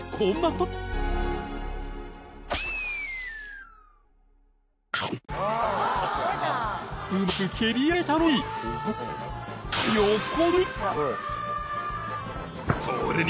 うまく蹴り上げたのに。